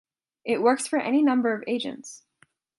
It works for any number of agents.